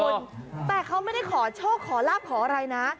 ใช่ไม่ได้ขอโชคขอรับขออะไรนะ